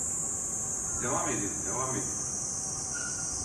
Devam edin, devam edin.